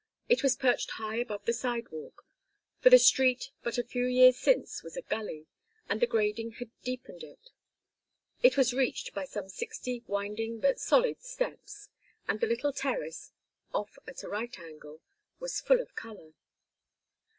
It was perched high above the sidewalk, for the street but a few years since was a gully, and the grading had deepened it. It was reached by some sixty winding but solid steps, and the little terrace, off at a right angle, was full of color.